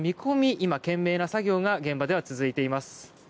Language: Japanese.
今、懸命な作業が現場では続いています。